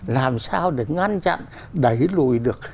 làm sao để ngăn chặn đẩy lùi được